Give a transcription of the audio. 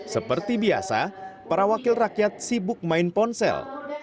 seperti biasa para wakil rakyat sibuk main ponsel